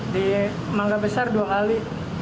di mangga besar dua kali